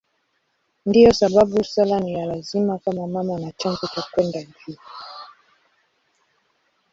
Ndiyo sababu sala ni ya lazima kama mama na chanzo cha kwenda juu.